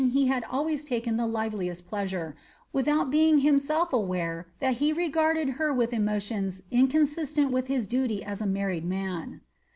I3S he had always taken the liveliest pleasure, without being himself aware that he regarded her with emotions inconsistent with his duty as a mar ried man.